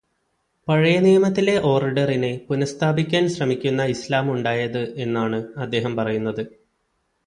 പഴയനിയമത്തിലെ ഓര്ഡറിനെ പുനഃസ്ഥാപിക്കാന് ശ്രമിക്കുന്ന ഇസ്ലാം ഉണ്ടായത് എന്നാണു അദ്ദേഹം പറയുന്നത്.